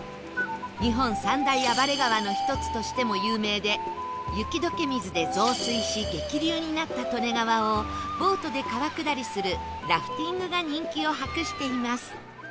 日本三大暴れ川の１つとしても有名で雪解け水で増水し激流になった利根川をボートで川下りするラフティングが人気を博しています